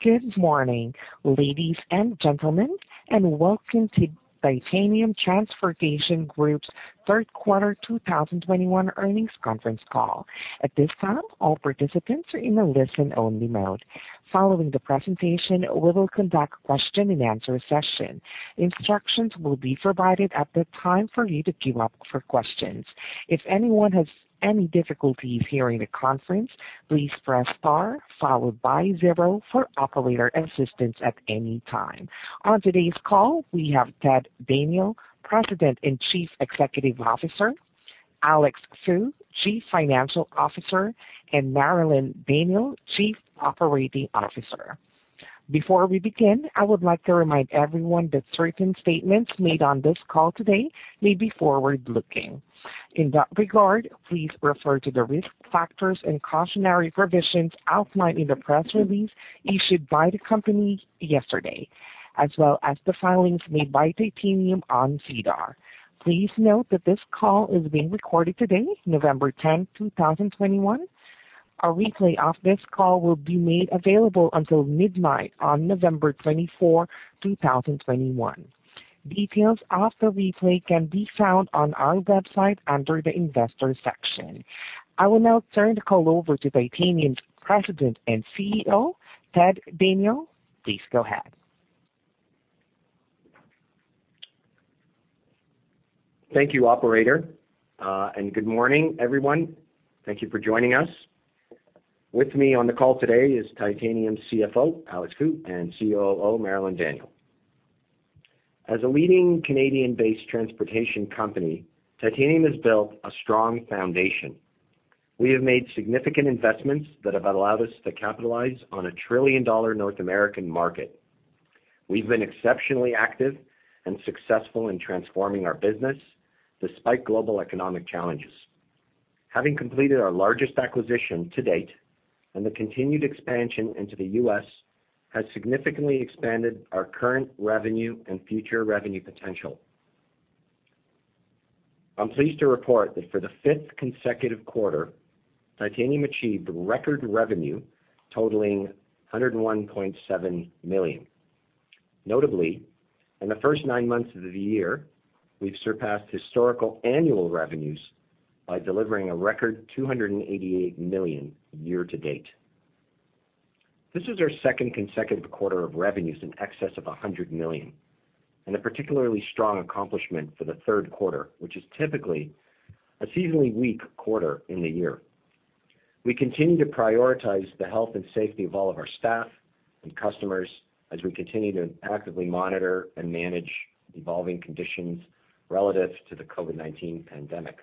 Good morning, ladies and gentlemen, and welcome to Titanium Transportation Group's third quarter 2021 earnings conference call. At this time, all participants are in a listen-only mode. Following the presentation, we will conduct a question-and-answer session. Instructions will be provided at the time for you to queue up for questions. If anyone has any difficulties hearing the conference, please press Star followed by zero for operator assistance at any time. On today's call, we have Ted Daniel, President and Chief Executive Officer, Alex Fu, Chief Financial Officer, and Marilyn Daniel, Chief Operating Officer. Before we begin, I would like to remind everyone that certain statements made on this call today may be forward-looking. In that regard, please refer to the risk factors and cautionary provisions outlined in the press release issued by the company yesterday, as well as the filings made by Titanium on SEDAR. Please note that this call is being recorded today, November 10, 2021. A replay of this call will be made available until midnight on November 24, 2021. Details of the replay can be found on our website under the Investors section. I will now turn the call over to Titanium's President and CEO, Ted Daniel. Please go ahead. Thank you, operator, and good morning, everyone. Thank you for joining us. With me on the call today is Titanium's CFO, Alex Fu, and COO, Marilyn Daniel. As a leading Canadian-based transportation company, Titanium has built a strong foundation. We have made significant investments that have allowed us to capitalize on a trillion-dollar North American market. We've been exceptionally active and successful in transforming our business despite global economic challenges. Having completed our largest acquisition to date and the continued expansion into the U.S. has significantly expanded our current revenue and future revenue potential. I'm pleased to report that for the fifth consecutive quarter, Titanium achieved record revenue totaling 101.7 million. Notably, in the first nine months of the year, we've surpassed historical annual revenues by delivering a record 288 million year to date. This is our second consecutive quarter of revenues in excess of 100 million, and a particularly strong accomplishment for the third quarter, which is typically a seasonally weak quarter in the year. We continue to prioritize the health and safety of all of our staff and customers as we continue to actively monitor and manage evolving conditions relative to the COVID-19 pandemic.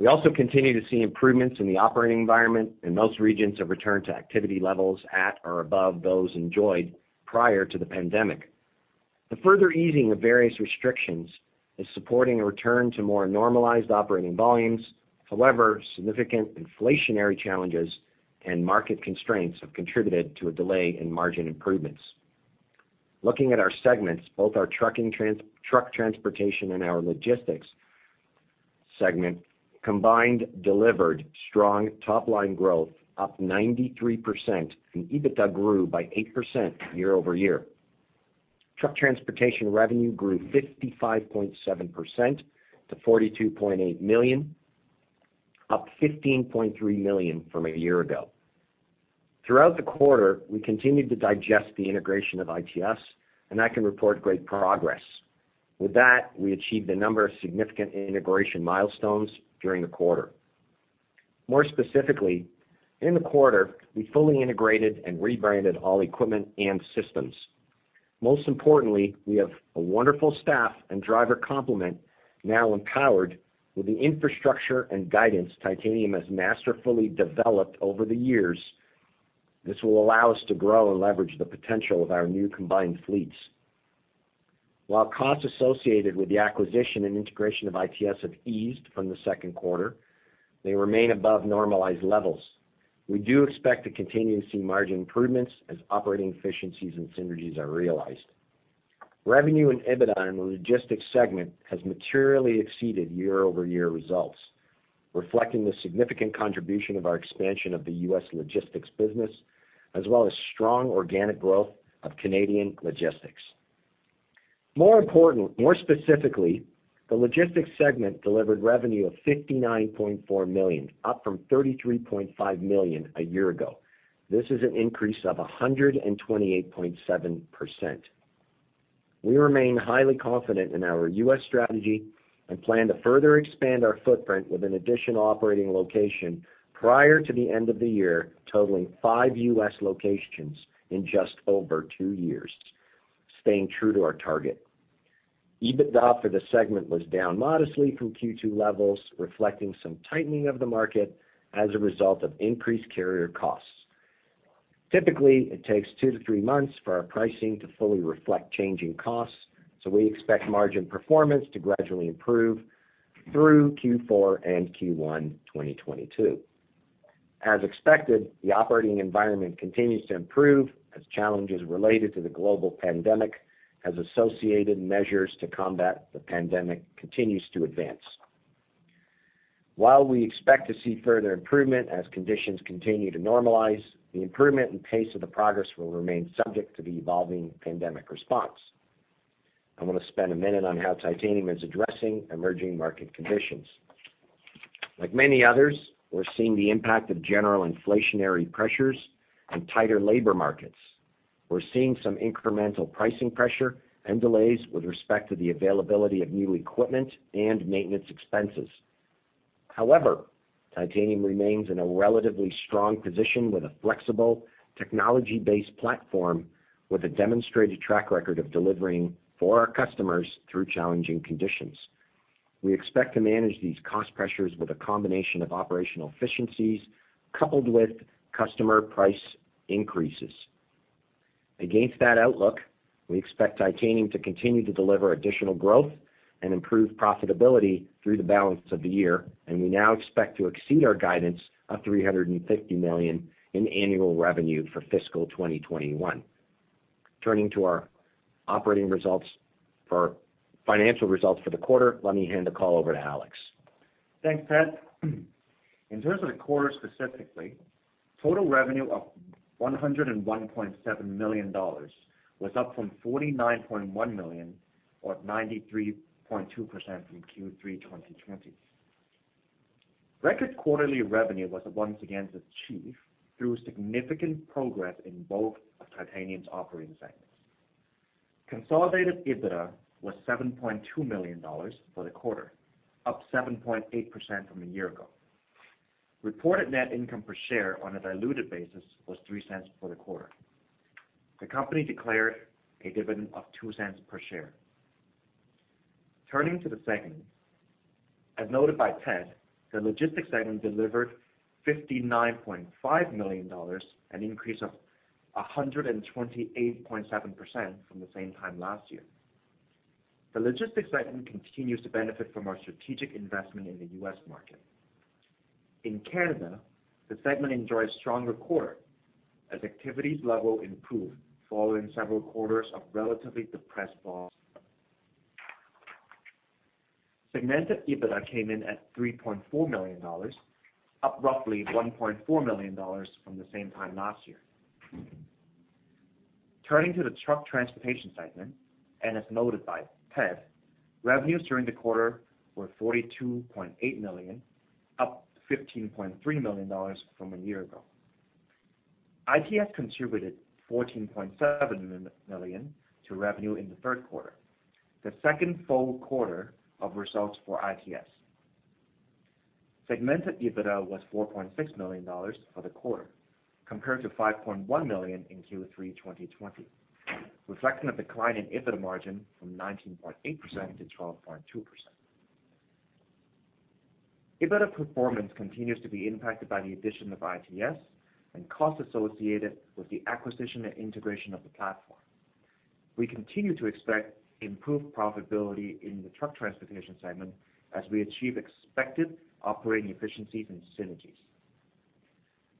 We also continue to see improvements in the operating environment, and most regions have returned to activity levels at or above those enjoyed prior to the pandemic. The further easing of various restrictions is supporting a return to more normalized operating volumes. However, significant inflationary challenges and market constraints have contributed to a delay in margin improvements. Looking at our segments, both our Truck Transportation and our Logistics segment combined delivered strong top-line growth, up 93%, and EBITDA grew by 8% year-over-year. Truck Transportation revenue grew 55.7% to 42.8 million, up 15.3 million from a year ago. Throughout the quarter, we continued to digest the integration of ITS, and I can report great progress. With that, we achieved a number of significant integration milestones during the quarter. More specifically, in the quarter, we fully integrated and rebranded all equipment and systems. Most importantly, we have a wonderful staff and driver complement now empowered with the infrastructure and guidance Titanium has masterfully developed over the years. This will allow us to grow and leverage the potential of our new combined fleets. While costs associated with the acquisition and integration of ITS have eased from the second quarter, they remain above normalized levels. We do expect to continue to see margin improvements as operating efficiencies and synergies are realized. Revenue and EBITDA in the logistics segment has materially exceeded year-over-year results, reflecting the significant contribution of our expansion of the U.S. logistics business as well as strong organic growth of Canadian logistics. More specifically, the logistics segment delivered revenue of 59.4 million, up from 33.5 million a year ago. This is an increase of 128.7%. We remain highly confident in our U.S. strategy and plan to further expand our footprint with an additional operating location prior to the end of the year, totaling five U.S. locations in just over two years, staying true to our target. EBITDA for the segment was down modestly from Q2 levels, reflecting some tightening of the market as a result of increased carrier costs. Typically, it takes two to three months for our pricing to fully reflect changing costs, so we expect margin performance to gradually improve through Q4 and Q1 2022. As expected, the operating environment continues to improve as challenges related to the global pandemic and associated measures to combat the pandemic continue to advance. While we expect to see further improvement as conditions continue to normalize, the improvement and pace of the progress will remain subject to the evolving pandemic response. I wanna spend a minute on how Titanium is addressing emerging market conditions. Like many others, we're seeing the impact of general inflationary pressures and tighter labor markets. We're seeing some incremental pricing pressure and delays with respect to the availability of new equipment and maintenance expenses. However, Titanium remains in a relatively strong position with a flexible technology-based platform with a demonstrated track record of delivering for our customers through challenging conditions. We expect to manage these cost pressures with a combination of operational efficiencies coupled with customer price increases. Against that outlook, we expect Titanium to continue to deliver additional growth and improve profitability through the balance of the year, and we now expect to exceed our guidance of 350 million in annual revenue for fiscal 2021. Turning to our financial results for the quarter, let me hand the call over to Alex. Thanks, Ted. In terms of the quarter specifically, total revenue of 101.7 million dollars was up from 49.1 million, or 93.2% from Q3 2020. Record quarterly revenue was once again achieved through significant progress in both of Titanium's operating segments. Consolidated EBITDA was 7.2 million dollars for the quarter, up 7.8% from a year ago. Reported net income per share on a diluted basis was 0.03 for the quarter. The company declared a dividend of 0.02 per share. Turning to the segment. As noted by Ted, the logistics segment delivered 59.5 million dollars, an increase of 128.7% from the same time last year. The logistics segment continues to benefit from our strategic investment in the U.S. market. In Canada, the segment enjoyed a stronger quarter as activities level improved following several quarters of relatively depressed volume. Segmented EBITDA came in at 3.4 million dollars, up roughly 1.4 million dollars from the same time last year. Turning to the truck transportation segment, and as noted by Ted, revenues during the quarter were 42.8 million, up 15.3 million dollars from a year ago. ITS contributed 14.7 million to revenue in the third quarter, the second full quarter of results for ITS. Segmented EBITDA was 4.6 million dollars for the quarter, compared to 5.1 million in Q3 2020, reflecting a decline in EBITDA margin from 19.8%-12.2%. EBITDA performance continues to be impacted by the addition of ITS and costs associated with the acquisition and integration of the platform. We continue to expect improved profitability in the truck transportation segment as we achieve expected operating efficiencies and synergies.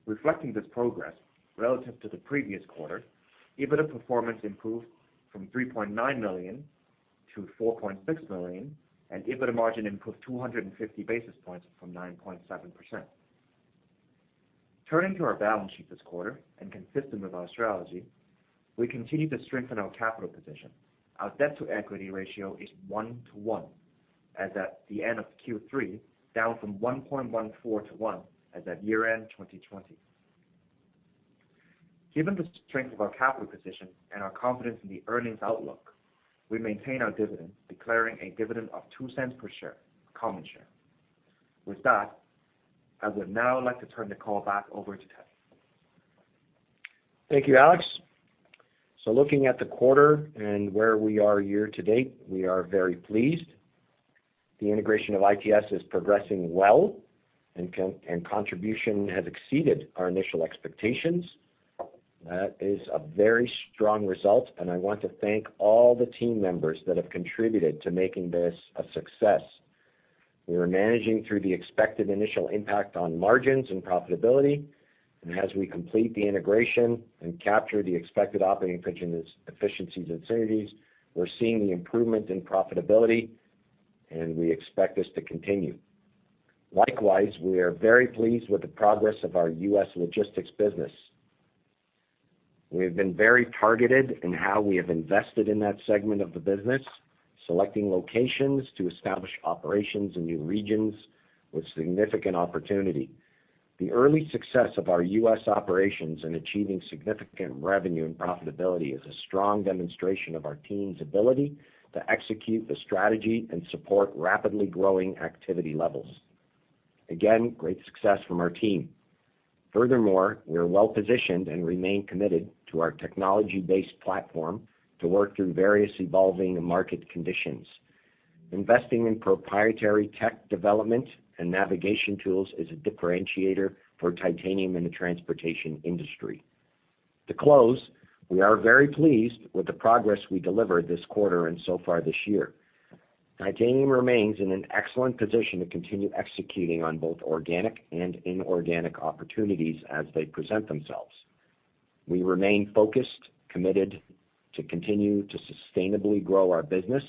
Reflecting this progress relative to the previous quarter, EBITDA performance improved from 3.9 million to 4.6 million, and EBITDA margin improved 250 basis points from 9.7%. Turning to our balance sheet this quarter and consistent with our strategy, we continue to strengthen our capital position. Our debt to equity ratio is 1:1 as at the end of Q3, down from 1.14:1 as at year-end 2020. Given the strength of our capital position and our confidence in the earnings outlook, we maintain our dividend, declaring a dividend of 0.02 per share, common share. With that, I would now like to turn the call back over to Ted. Thank you, Alex. Looking at the quarter and where we are year to date, we are very pleased. The integration of ITS is progressing well and contribution has exceeded our initial expectations. That is a very strong result, and I want to thank all the team members that have contributed to making this a success. We are managing through the expected initial impact on margins and profitability. As we complete the integration and capture the expected operating efficiencies and synergies, we're seeing the improvement in profitability, and we expect this to continue. Likewise, we are very pleased with the progress of our U.S. logistics business. We have been very targeted in how we have invested in that segment of the business, selecting locations to establish operations in new regions with significant opportunity. The early success of our U.S. operations in achieving significant revenue and profitability is a strong demonstration of our team's ability to execute the strategy and support rapidly growing activity levels. Again, great success from our team. Furthermore, we are well-positioned and remain committed to our technology-based platform to work through various evolving market conditions. Investing in proprietary tech development and navigation tools is a differentiator for Titanium in the transportation industry. To close, we are very pleased with the progress we delivered this quarter and so far this year. Titanium remains in an excellent position to continue executing on both organic and inorganic opportunities as they present themselves. We remain focused, committed to continue to sustainably grow our business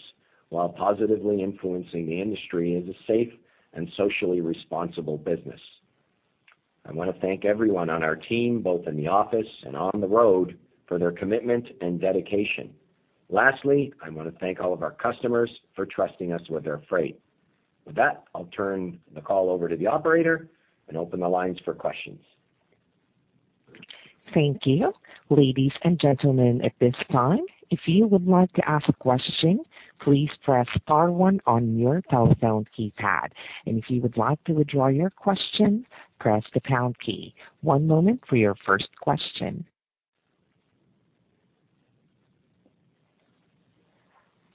while positively influencing the industry as a safe and socially responsible business. I want to thank everyone on our team, both in the office and on the road, for their commitment and dedication. Lastly, I want to thank all of our customers for trusting us with their freight. With that, I'll turn the call over to the operator and open the lines for questions. Thank you. Ladies and gentlemen, at this time, if you would like to ask a question, please press star one on your telephone keypad. If you would like to withdraw your question, press the pound key. One moment for your first question.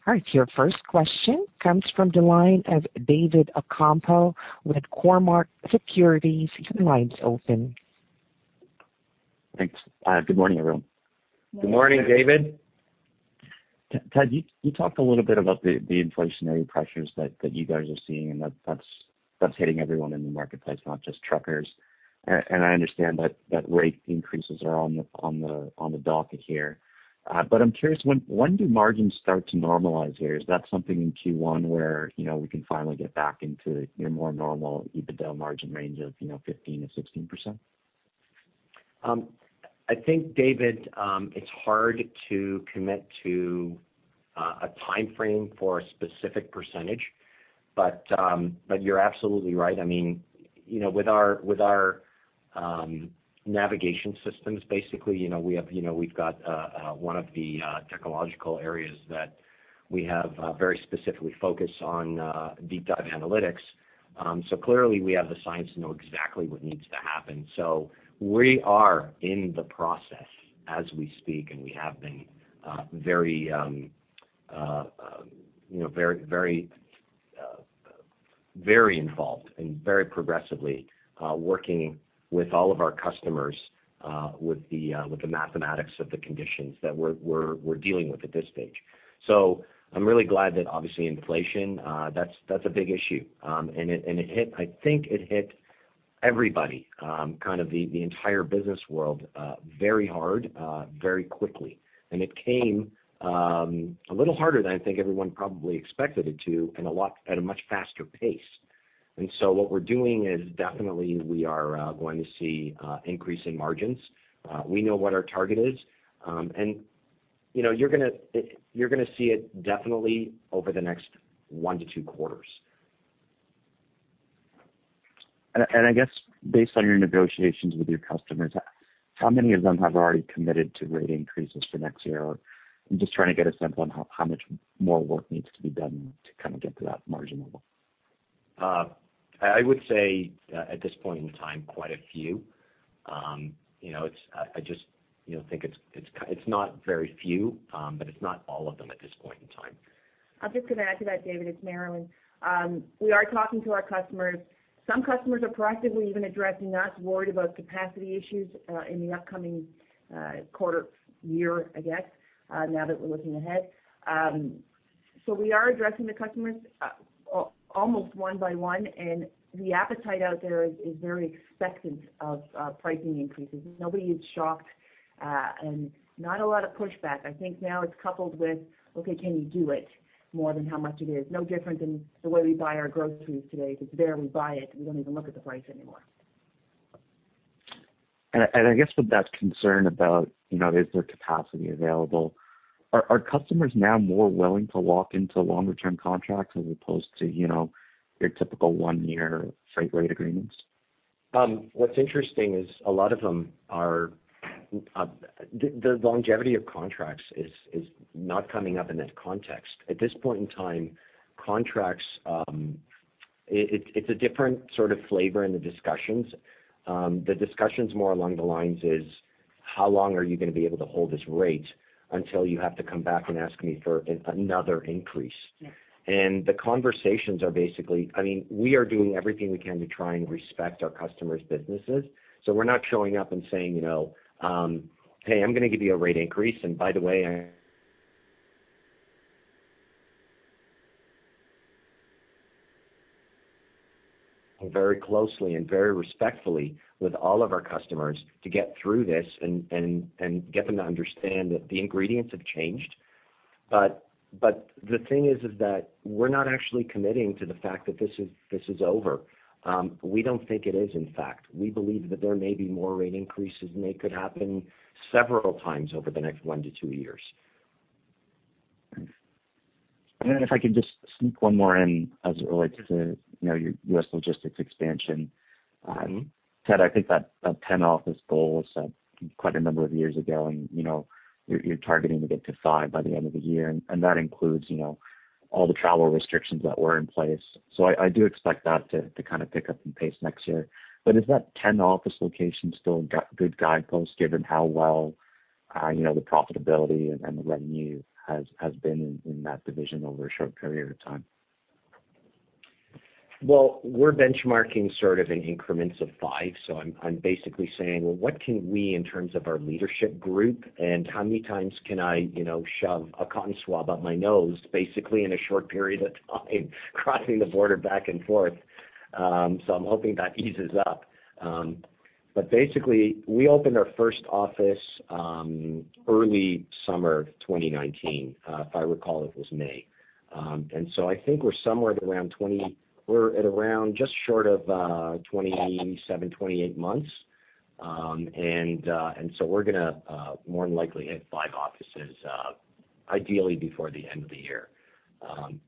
All right, your first question comes from the line of David Ocampo with Cormark Securities. Your line's open. Thanks. Good morning, everyone. Good morning, David. Ted, you talked a little bit about the inflationary pressures that you guys are seeing, and that's hitting everyone in the marketplace, not just truckers. I understand that rate increases are on the docket here. But I'm curious, when do margins start to normalize here? Is that something in Q1 where, you know, we can finally get back into your more normal EBITDA margin range of, you know, 15%-16%? I think, David, it's hard to commit to a timeframe for a specific percentage. You're absolutely right. I mean, you know, with our navigation systems, basically, you know, we have, you know, we've got one of the technological areas that we have very specifically focused on, deep dive analytics. Clearly, we have the science to know exactly what needs to happen. We are in the process as we speak, and we have been very involved and very progressively working with all of our customers with the mathematics of the conditions that we're dealing with at this stage. I'm really glad that obviously inflation, that's a big issue. I think it hit everybody kind of the entire business world very hard very quickly. It came a little harder than I think everyone probably expected it to and a lot at a much faster pace. What we're doing is definitely we are going to see increase in margins. We know what our target is. You know, you're gonna see it definitely over the next one to two quarters. I guess based on your negotiations with your customers, how many of them have already committed to rate increases for next year? I'm just trying to get a sense on how much more work needs to be done to kind of get to that margin level. I would say, at this point in time, quite a few. You know, I just, you know, think it's not very few, but it's not all of them at this point in time. I'm just gonna add to that, David. It's Marilyn. We are talking to our customers. Some customers are proactively even addressing us, worried about capacity issues, in the upcoming, quarter year, I guess, now that we're looking ahead. We are addressing the customers almost one by one, and the appetite out there is very expectant of, pricing increases. Nobody is shocked, and not a lot of pushback. I think now it's coupled with, okay, can you do it more than how much it is? No different than the way we buy our groceries today. If it's there, we buy it. We don't even look at the price anymore. I guess with that concern about, you know, is there capacity available, are customers now more willing to lock into longer-term contracts as opposed to, you know, your typical one-year freight rate agreements? What's interesting is a lot of them are the longevity of contracts is not coming up in that context. At this point in time, contracts it's a different sort of flavor in the discussions. The discussion's more along the lines is how long are you gonna be able to hold this rate until you have to come back and ask me for another increase? Yes. The conversations are basically, I mean, we are doing everything we can to try and respect our customers' businesses. We're not showing up and saying, you know, "Hey, I'm gonna give you a rate increase, and by the way, I..." Very closely and very respectfully with all of our customers to get through this and get them to understand that the ingredients have changed. But the thing is that we're not actually committing to the fact that this is over. We don't think it is, in fact. We believe that there may be more rate increases, and they could happen several times over the next 1-2 years. If I could just sneak one more in as it relates to, you know, your U.S. logistics expansion. Mm-hmm. Ted, I think that 10-office goal was set quite a number of years ago, and you know you're targeting to get to five by the end of the year. That includes you know all the travel restrictions that were in place. I do expect that to kind of pick up in pace next year. Is that 10-office location still good guidepost given how well you know the profitability and the revenue has been in that division over a short period of time? Well, we're benchmarking sort of in increments of five. I'm basically saying, well, what can we, in terms of our leadership group, and how many times can I, you know, shove a cotton swab up my nose basically in a short period of time crossing the border back and forth? I'm hoping that eases up. Basically, we opened our first office early summer 2019. If I recall, it was May. I think we're at around just short of 27, 28 months. We're gonna more than likely hit five offices ideally before the end of the year.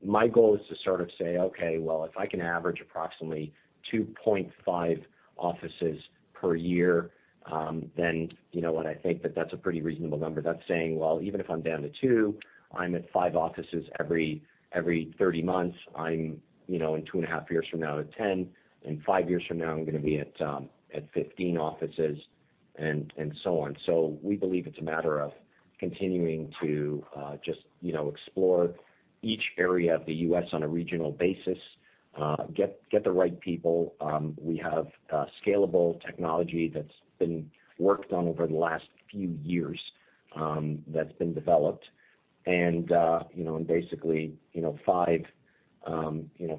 My goal is to sort of say, okay, well, if I can average approximately two point five offices per year, then you know what? I think that's a pretty reasonable number. That's saying, well, even if I'm down to two, I'm at five offices every 30 months. I'm, you know, in two point five years from now at 10. In five years from now, I'm gonna be at 15 offices and so on. We believe it's a matter of continuing to just, you know, explore each area of the U.S. on a regional basis, get the right people. We have scalable technology that's been worked on over the last few years that's been developed. You know, basically, you know,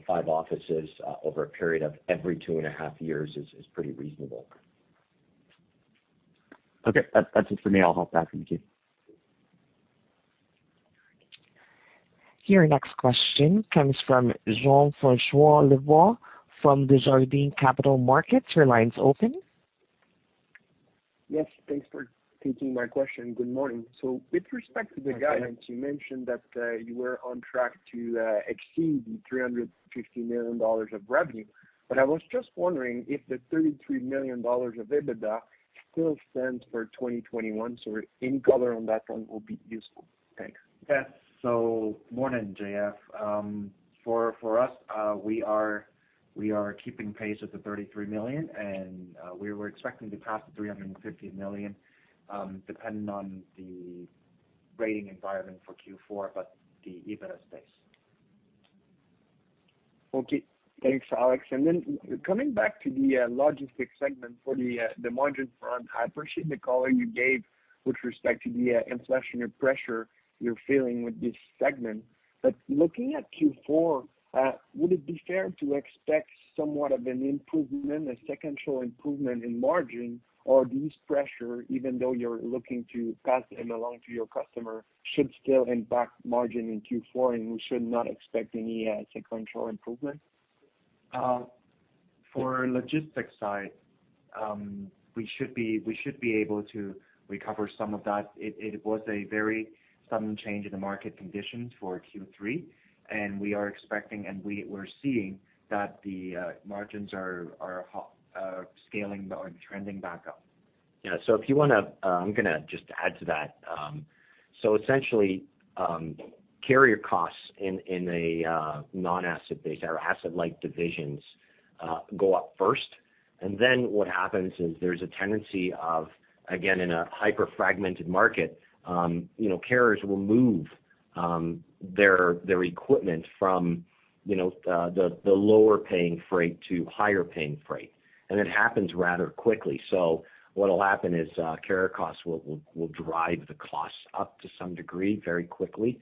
five offices over a period of every two point five years is pretty reasonable. Okay. That's it for me. I'll hop back when you do. Your next question comes from Jean-François Lavoie from Desjardins Capital Markets. Your line's open. Yes, thanks for taking my question. Good morning. With respect to the guidance, you mentioned that you were on track to exceed 350 million dollars of revenue. I was just wondering if the 33 million dollars of EBITDA still stands for 2021. Any color on that front will be useful. Thanks. Morning, JF. For us, we are keeping pace with the 33 million, and we were expecting to pass the 350 million, depending on the rate environment for Q4, but the EBITDA stays. Okay. Thanks, Alex. Then coming back to the logistics segment for the margin front, I appreciate the color you gave with respect to the inflationary pressure you're feeling with this segment. Looking at Q4, would it be fair to expect somewhat of an improvement, a sequential improvement in margin? Or this pressure, even though you're looking to pass them along to your customer, should still impact margin in Q4, and we should not expect any sequential improvement? For the logistics side, we should be able to recover some of that. It was a very sudden change in the market conditions for Q3, and we're seeing that the margins are scaling or trending back up. Yeah. If you wanna, I'm gonna just add to that. Essentially, carrier costs in a non-asset-based or asset-light divisions go up first. Then what happens is there's a tendency, again, in a hyper-fragmented market, you know, carriers will move their equipment from, you know, the lower paying freight to higher paying freight, and it happens rather quickly. What'll happen is, carrier costs will drive the costs up to some degree very quickly.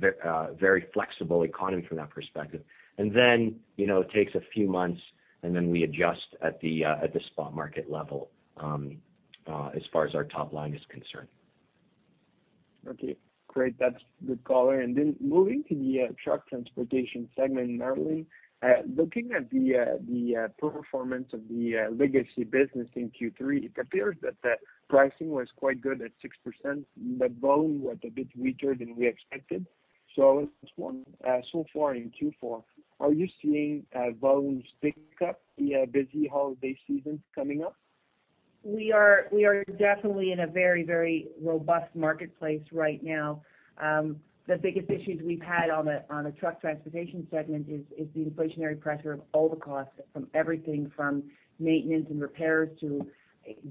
Very flexible economy from that perspective. Then, you know, it takes a few months, and then we adjust at the spot market level as far as our top line is concerned. Okay, great. That's good color. Moving to the truck transportation segment, Marilyn Daniel. Looking at the performance of the legacy business in Q3, it appears that the pricing was quite good at 6%, but volume was a bit weaker than we expected. I was just wondering, so far in Q4, are you seeing volumes pick up the busy holiday season coming up? We are definitely in a very, very robust marketplace right now. The biggest issues we've had on the truck transportation segment is the inflationary pressure of all the costs from everything from maintenance and repairs to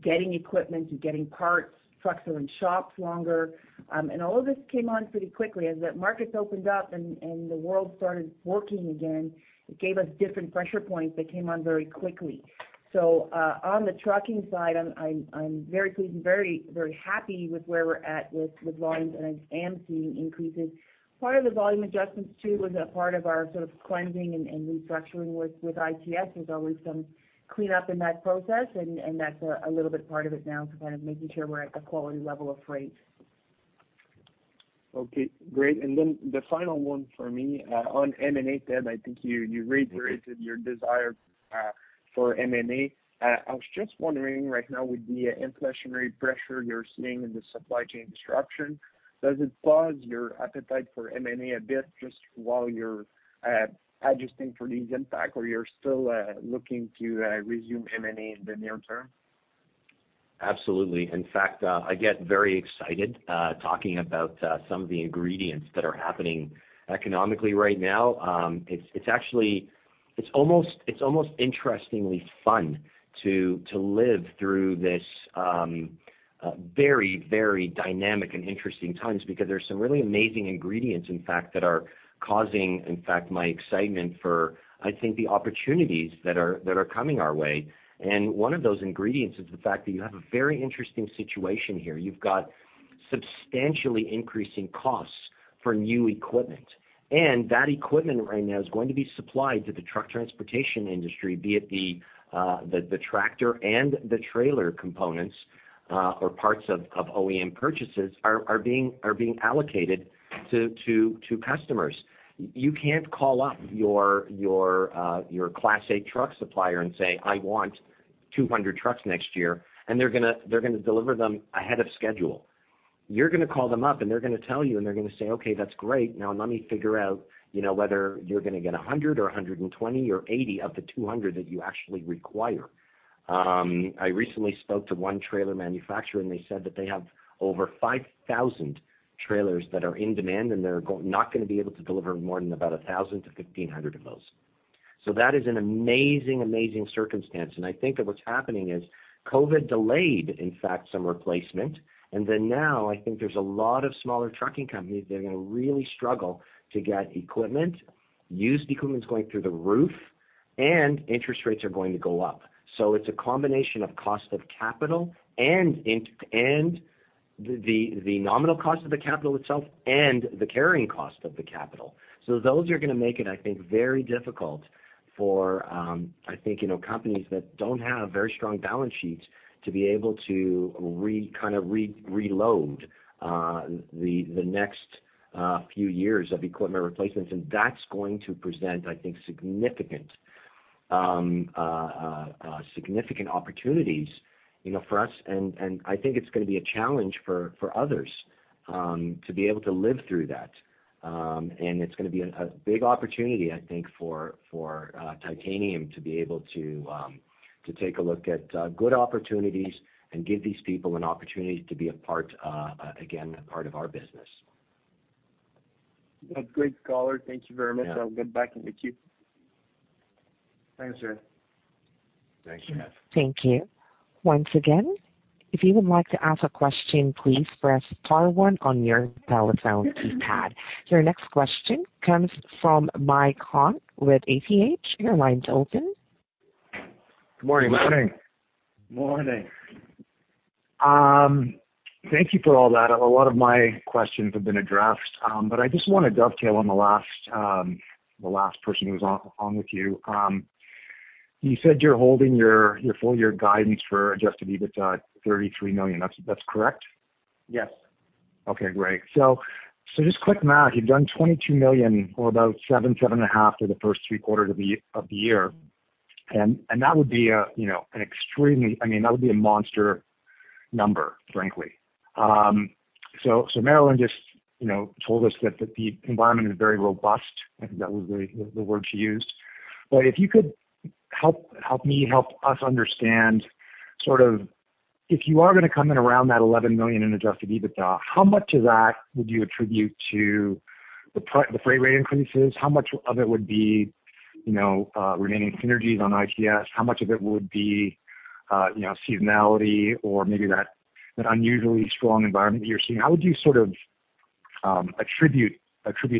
getting equipment, to getting parts. Trucks are in shops longer. All of this came on pretty quickly. As the markets opened up and the world started working again, it gave us different pressure points that came on very quickly. On the trucking side, I'm very pleased and very, very happy with where we're at with volumes, and I am seeing increases. Part of the volume adjustments too was a part of our sort of cleansing and restructuring with ITS. There's always some cleanup in that process and that's a little bit part of it now to kind of making sure we're at a quality level of freight. Okay, great. Then the final one for me, on M&A, Ted, I think you reiterated your desire for M&A. I was just wondering right now with the inflationary pressure you're seeing in the supply chain disruption, does it pause your appetite for M&A a bit just while you're adjusting for this impact, or you're still looking to resume M&A in the near term? Absolutely. In fact, I get very excited talking about some of the ingredients that are happening economically right now. It's actually almost interestingly fun to live through this very dynamic and interesting times because there's some really amazing ingredients, in fact, that are causing, in fact, my excitement for, I think, the opportunities that are coming our way. One of those ingredients is the fact that you have a very interesting situation here. You've got substantially increasing costs for new equipment. That equipment right now is going to be supplied to the truck transportation industry, be it the tractor and the trailer components or parts of OEM purchases are being allocated to customers. You can't call up your Class A truck supplier and say, "I want 200 trucks next year," and they're gonna deliver them ahead of schedule. You're gonna call them up, and they're gonna tell you, and they're gonna say, "Okay, that's great. Now let me figure out, you know, whether you're gonna get 100 or 120 or 80 of the 200 that you actually require." I recently spoke to one trailer manufacturer, and they said that they have over 5,000 trailers that are in demand, and they're not gonna be able to deliver more than about 1,000-1,500 of those. That is an amazing circumstance. I think that what's happening is COVID delayed, in fact, some replacement, and then now I think there's a lot of smaller trucking companies that are gonna really struggle to get equipment. Used equipment's going through the roof, and interest rates are going to go up. It's a combination of cost of capital and the nominal cost of the capital itself and the carrying cost of the capital. Those are gonna make it, I think, very difficult for, I think, you know, companies that don't have very strong balance sheets to be able to kind of reload the next few years of equipment replacements. That's going to present, I think, significant opportunities, you know, for us. I think it's gonna be a challenge for others to be able to live through that. It's gonna be a big opportunity, I think, for Titanium to be able to take a look at good opportunities and give these people an opportunity to be a part again of our business. A great call. Thank you very much. Yeah. I'll get back in the queue. Thanks, sir. Thanks, Jeff. Thank you. Once again, if you would like to ask a question, please press star one on your telephone keypad. Your next question comes from Mike Hahn with Haywood Securities. Your line's open. Good morning. Morning. Morning. Thank you for all that. A lot of my questions have been addressed, but I just wanna dovetail on the last person who was on with you. You said you're holding your full year guidance for adjusted EBITDA at 33 million. That's correct? Yes. Okay, great. Just quick math, you've done 22 million or about 7.5 million through the first three quarters of the year. That would be, you know, I mean, a monster number, frankly. Marilyn just, you know, told us that the environment is very robust. I think that was the word she used. If you could help us understand sort of if you are gonna come in around that 11 million in adjusted EBITDA, how much of that would you attribute to the freight rate increases? How much of it would be, you know, remaining synergies on ITS? How much of it would be, you know, seasonality or maybe that unusually strong environment that you're seeing? How would you sort of attribute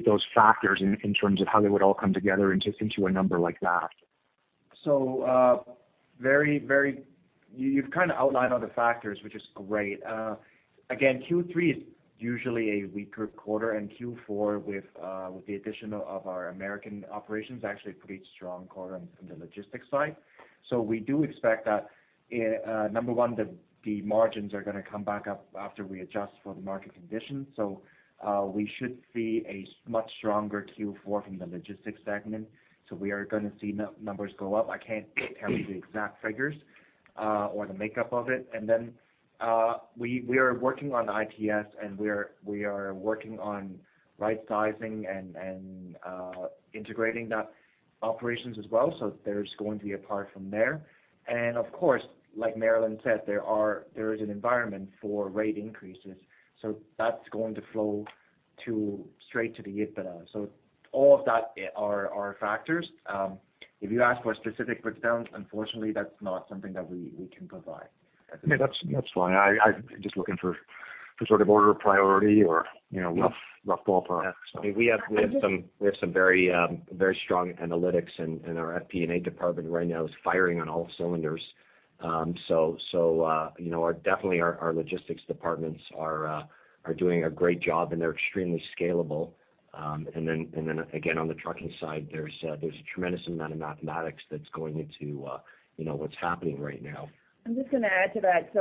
those factors in terms of how they would all come together into a number like that? You've kinda outlined all the factors, which is great. Again, Q3 is usually a weaker quarter, and Q4 with the addition of our American operations actually a pretty strong quarter on the logistics side. We do expect that number one, the margins are gonna come back up after we adjust for the market conditions. We should see a much stronger Q4 from the logistics segment, so we are gonna see numbers go up. I can't tell you the exact figures or the makeup of it. Then, we are working on ITS, and we are working on rightsizing and integrating those operations as well, so there's going to be upside from there. Of course, like Marilyn said, there is an environment for rate increases, so that's going to flow straight to the EBITDA. All of that are factors. If you ask for specific breakdowns, unfortunately, that's not something that we can provide at this point. Yeah, that's fine. I'm just looking for sort of order of priority or, you know, rough ballpark. Yeah. I mean, we have some very strong analytics in our FP&A department right now, is firing on all cylinders. So, you know, definitely our logistics departments are doing a great job, and they're extremely scalable. And then again, on the trucking side, there's a tremendous amount of mathematics that's going into, you know, what's happening right now. I'm just gonna add to that.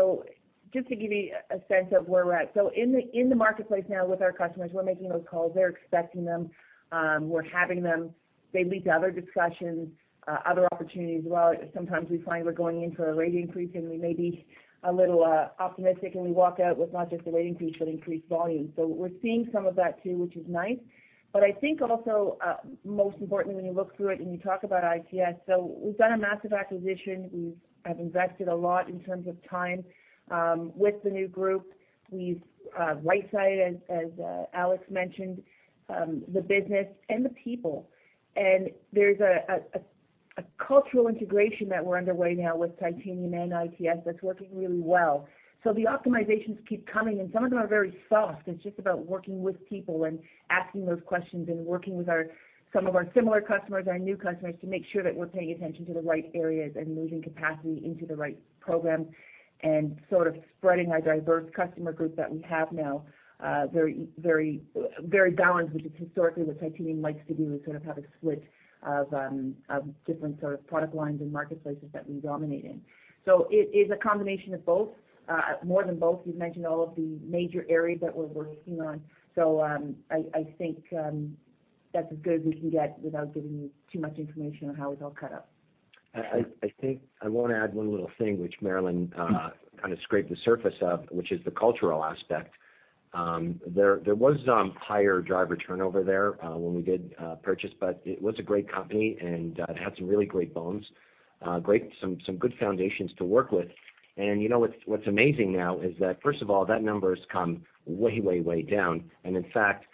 Just to give you a sense of where we're at. In the marketplace now with our customers, we're making those calls. They're expecting them. We're having them. They lead to other discussions, other opportunities as well. Sometimes we find we're going in for a rate increase, and we may be a little optimistic, and we walk out with not just a rate increase but increased volume. We're seeing some of that too, which is nice. I think also, most importantly, when you look through it and you talk about ITS, we've done a massive acquisition. I've invested a lot in terms of time with the new group. We've rightsized, as Alex mentioned, the business and the people. There's a cultural integration that we're underway now with Titanium and ITS that's working really well. The optimizations keep coming, and some of them are very soft. It's just about working with people and asking those questions and working with some of our similar customers, our new customers, to make sure that we're paying attention to the right areas and moving capacity into the right program and sort of spreading our diverse customer group that we have now, very balanced, which is historically what Titanium likes to do, is sort of have a split of different sort of product lines and marketplaces that we dominate in. It is a combination of both, more than both. You've mentioned all of the major areas that we're working on. I think that's as good as we can get without giving you too much information on how it's all cut up. I think I wanna add one little thing, which Marilyn kind of scratched the surface of, which is the cultural aspect. There was higher driver turnover there when we did purchase, but it was a great company, and it had some really great bones, some good foundations to work with. You know what's amazing now is that, first of all, that number has come way down. In fact,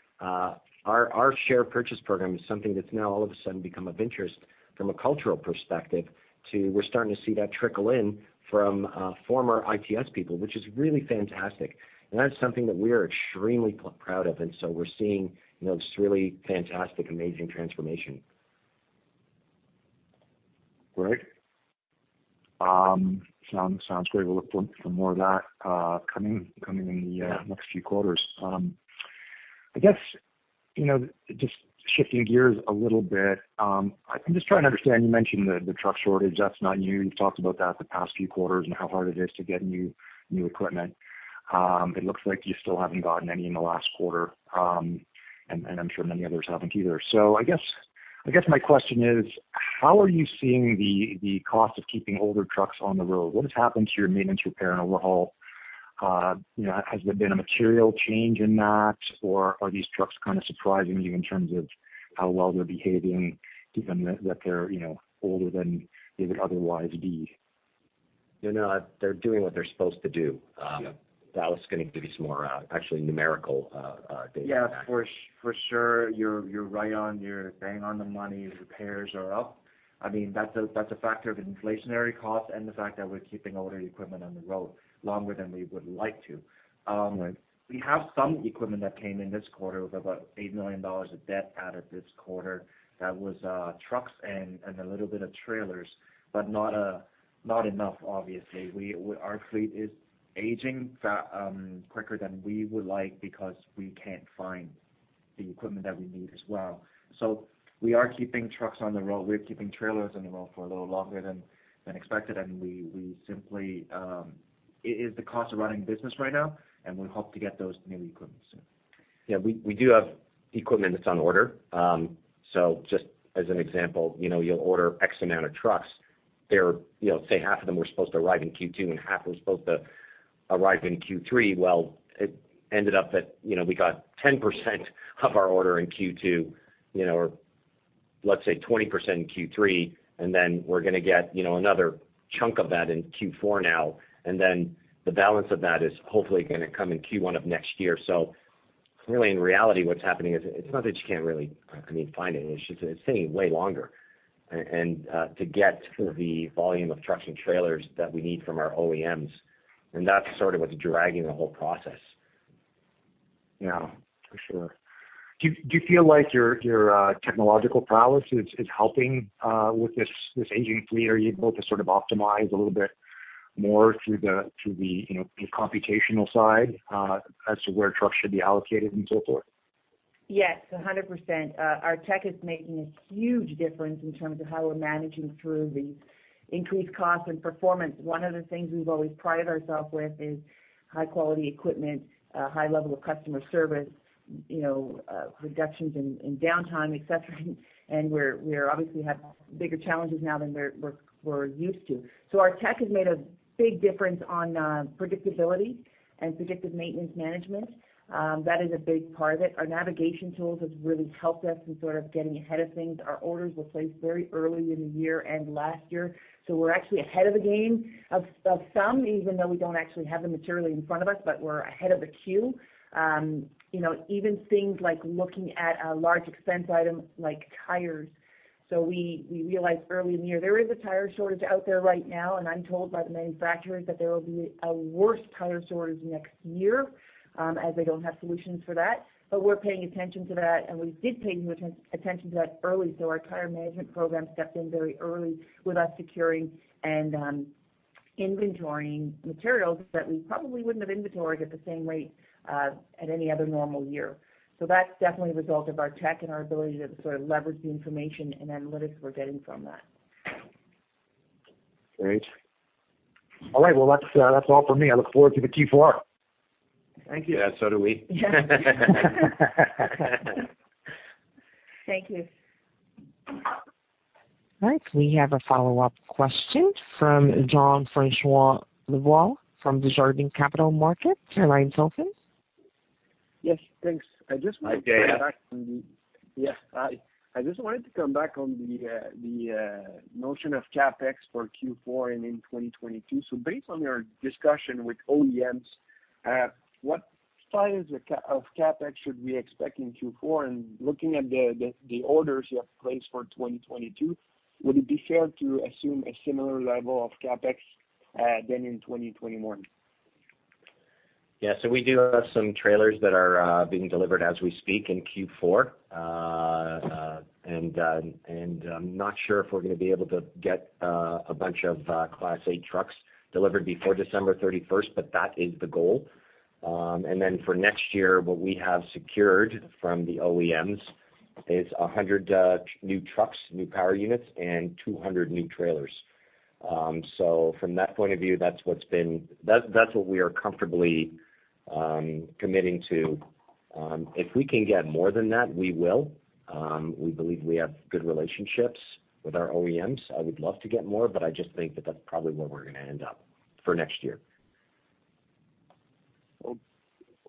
our share purchase program is something that's now all of a sudden become of interest from a cultural perspective too, we're starting to see that trickle in from former ITS people, which is really fantastic. That's something that we are extremely proud of, and so we're seeing, you know, this really fantastic, amazing transformation. Great. Sounds great. We'll look for more of that coming in the next few quarters. I guess, you know, just shifting gears a little bit, I'm just trying to understand, you mentioned the truck shortage. That's not new. You've talked about that the past few quarters and how hard it is to get new equipment. It looks like you still haven't gotten any in the last quarter, and I'm sure many others haven't either. I guess my question is: How are you seeing the cost of keeping older trucks on the road? What has happened to your maintenance repair and overhaul? You know, has there been a material change in that, or are these trucks kind of surprising you in terms of how well they're behaving given that they're, you know, older than they would otherwise be? No, no. They're doing what they're supposed to do. Yeah. Alex Fu is gonna give you some more actually numerical data on that. Yeah, for sure. You're right on. You're bang on the money. Repairs are up. I mean, that's a factor of inflationary costs and the fact that we're keeping older equipment on the road longer than we would like to. Right. We have some equipment that came in this quarter. It was about 8 million dollars of debt added this quarter. That was trucks and a little bit of trailers, but not enough obviously. Our fleet is aging quicker than we would like because we can't find the equipment that we need as well. We are keeping trucks on the road. We're keeping trailers on the road for a little longer than expected, and we simply. It is the cost of running business right now, and we hope to get those new equipment soon. Yeah. We do have equipment that's on order. Just as an example, you know, you'll order X amount of trucks. They're, you know, say half of them were supposed to arrive in Q2, and half were supposed to arrive in Q3. Well, it ended up that, you know, we got 10% of our order in Q2, you know, or let's say 20% in Q3, and then we're gonna get, you know, another chunk of that in Q4 now, and then the balance of that is hopefully gonna come in Q1 of next year. Really, in reality, what's happening is it's not that you can't really, I mean, find it's just it's taking way longer to get the volume of trucks and trailers that we need from our OEMs, and that's sort of what's dragging the whole process. Yeah. For sure. Do you feel like your technological prowess is helping with this aging fleet? Are you able to sort of optimize a little bit more through the you know the computational side as to where trucks should be allocated and so forth? Yes, 100%. Our tech is making a huge difference in terms of how we're managing through the increased cost and performance. One of the things we've always prided ourself with is high quality equipment, high level of customer service, reductions in downtime, et cetera. We're obviously have bigger challenges now than we're used to. Our tech has made a big difference on predictability and predictive maintenance management. That is a big part of it. Our navigation tools has really helped us in sort of getting ahead of things. Our orders were placed very early in the year and last year. We're actually ahead of the game of some, even though we don't actually have the material in front of us, but we're ahead of the queue. You know, even things like looking at a large expense item like tires. We realized early in the year there is a tire shortage out there right now, and I'm told by the manufacturers that there will be a worse tire shortage next year, as they don't have solutions for that. We're paying attention to that, and we did pay attention to that early, so our tire management program stepped in very early with us securing and inventorying materials that we probably wouldn't have inventoried at the same rate at any other normal year. That's definitely a result of our tech and our ability to sort of leverage the information and analytics we're getting from that. Great. All right. Well, that's all for me. I look forward to the Q4. Thank you. Yeah, so do we. Yeah. Thank you. All right. We have a follow-up question from Jean-François Lavoie from Desjardins Capital Markets. Your line is open. Yes, thanks. I just wanted to come back on the. Hi, Jean. Yes. Hi. I just wanted to come back on the notion of CapEx for Q4 and in 2022. Based on your discussion with OEMs. What size of CapEx should we expect in Q4? Looking at the orders you have placed for 2022, would it be fair to assume a similar level of CapEx to in 2021? Yeah. We do have some trailers that are being delivered as we speak in Q4. I'm not sure if we're gonna be able to get a bunch of Class A trucks delivered before December thirty-first, but that is the goal. For next year, what we have secured from the OEMs is 100 new trucks, new power units and 200 new trailers. From that point of view, that's what we are comfortably committing to. If we can get more than that, we will. We believe we have good relationships with our OEMs. I would love to get more, but I just think that that's probably where we're gonna end up for next year.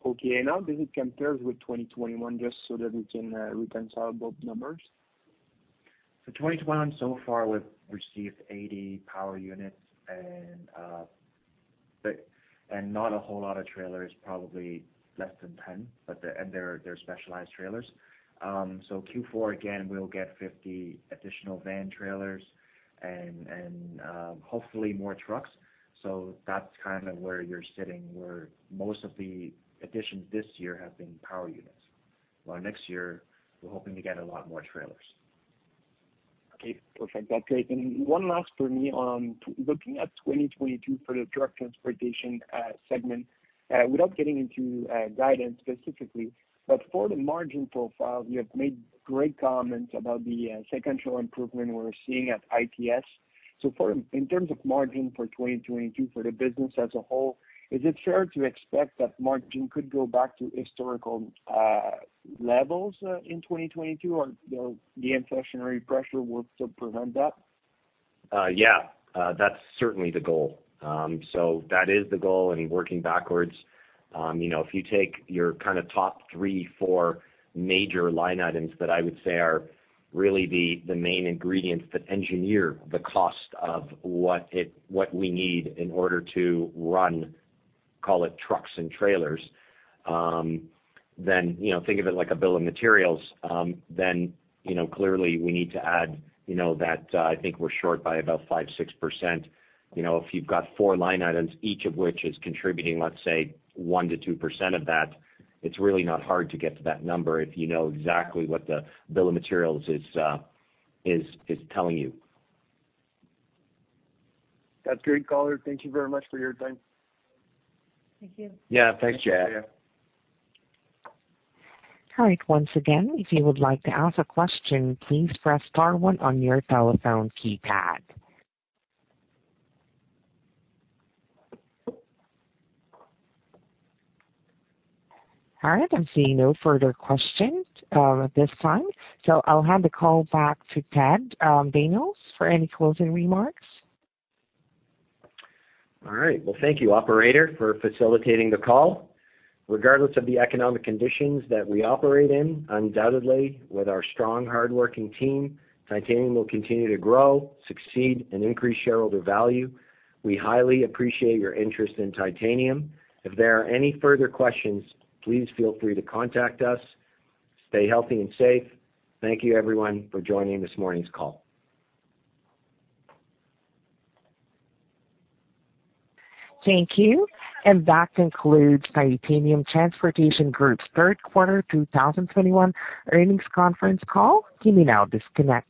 Okay. How does it compare with 2021, just so that we can reconcile both numbers? For 2021, so far we've received 80 power units and not a whole lot of trailers, probably less than 10, but they're specialized trailers. Q4, again, we'll get 50 additional van trailers and hopefully more trucks. That's kinda where you're sitting, where most of the additions this year have been power units, while next year we're hoping to get a lot more trailers. Okay. Perfect. That's great. One last for me on looking at 2022 for the truck transportation segment, without getting into guidance specifically. For the margin profile, you have made great comments about the sequential improvement we're seeing at ITS. In terms of margin for 2022 for the business as a whole, is it fair to expect that margin could go back to historical levels in 2022 or, you know, the inflationary pressure will still prevent that? Yeah. That's certainly the goal. That is the goal, and working backwards, you know, if you take your kinda top three, four major line items that I would say are really the main ingredients that engineer the cost of what we need in order to run, call it trucks and trailers, then you know, think of it like a bill of materials. You know, clearly we need to add, you know, that, I think we're short by about 5-6%. You know, if you've got four line items, each of which is contributing, let's say, 1-2% of that, it's really not hard to get to that number if you know exactly what the bill of materials is telling you. That's great, Colin. Thank you very much for your time. Thank you. Yeah. Thanks, Jack. Thank you. All right. Once again, if you would like to ask a question, please press star one on your telephone keypad. All right. I'm seeing no further questions at this time, so I'll hand the call back to Ted Daniel for any closing remarks. All right. Well, thank you, operator, for facilitating the call. Regardless of the economic conditions that we operate in, undoubtedly with our strong, hardworking team, Titanium will continue to grow, succeed and increase shareholder value. We highly appreciate your interest in Titanium. If there are any further questions, please feel free to contact us. Stay healthy and safe. Thank you everyone for joining this morning's call. Thank you. That concludes Titanium Transportation Group's third quarter 2021 earnings conference call. You may now disconnect.